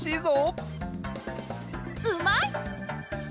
うまい！